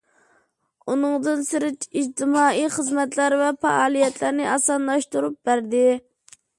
ئۇنىڭدىن سىرت، ئىجتىمائىي خىزمەتلەر ۋە پائالىيەتلەرنى ئاسانلاشتۇرۇپ بەردى.